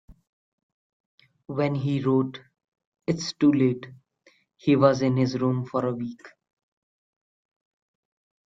When he wrote 'It's Too Late,' he was in his room for a week.